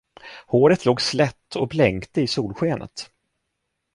Håret låg slätt och blänkte i solskenet.